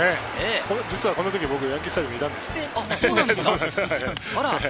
実はこのとき、僕、ヤンキースタジアムにいたんですよ。